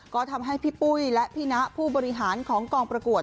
ก็ทำให้พี่ปุ้ยและพี่นะผู้บริหารของกองประกวด